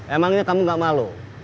emangnya kamu gak malu